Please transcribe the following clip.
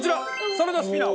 サラダスピナー。